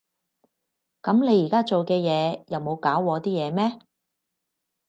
噉你而家做嘅嘢又冇搞禍啲嘢咩？